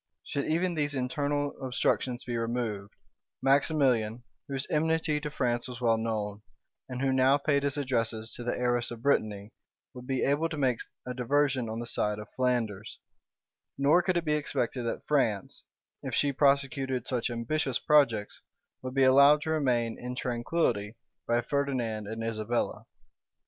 Should even these internal obstructions be removed, Maximilian, whose enmity to France was well known, and who now paid his addresses to the heiress of Brittany, would be able to make a diversion on the side of Flanders; nor could it be expected that France, if she prosecuted such ambitious projects, would be allowed to remain in tranquillity by Ferdinand and Isabella.